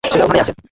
সেটা ওখানেই আছে।